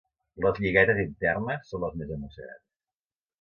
Les lliguetes internes són les més emocionants.